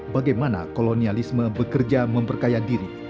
bagaimana kolonialisme bekerja memperkaya diri